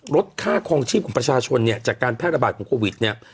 ลดค่าคลองชีพของประชาชนเนี่ยจากการแพร่ระบาดของโควิดเนี่ย